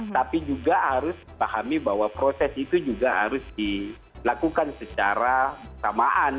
tapi juga harus dipahami bahwa proses itu juga harus dilakukan secara bersamaan